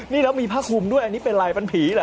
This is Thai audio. นี่แล้วมีผ้าคุมด้วยอันนี้เป็นอะไรบันผีหรอครับ